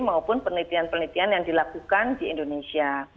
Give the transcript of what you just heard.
maupun penelitian penelitian yang dilakukan di indonesia